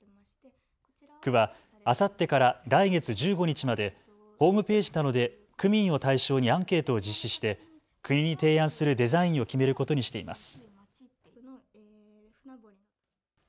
区はあさってから来月１５日までホームページなどで区民を対象にアンケートを実施して国に提案するデザインを決めることにしています。